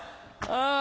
ああ。